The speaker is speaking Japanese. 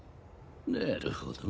なるほど。